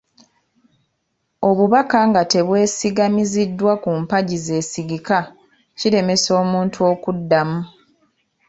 Obubaka nga tebwesigamiziddwa ku mpagi zeesigika, kiremesa omuntu okuddamu.